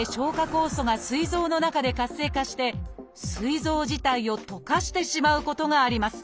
酵素がすい臓の中で活性化してすい臓自体を溶かしてしまうことがあります。